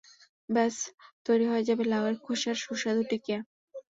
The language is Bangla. ব্যাস তৈরি হয়ে যাবে লাউয়ের খোসার সুস্বাদু টিকিয়া।